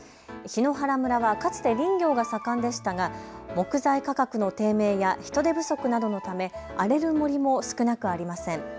檜原村はかつて林業が盛んでしたが木材価格の低迷や人手不足などのため荒れる森も少なくありません。